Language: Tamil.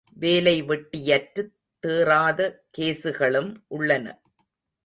வேலை வெட்டியற்றுத் தேறாத கேசுகளும் உள்ளன.